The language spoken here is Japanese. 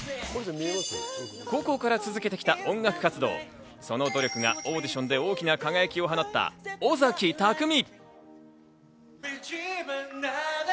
高校から続けてきた音楽活動、その努力がオーディションで大きな輝きを放った尾崎匠海。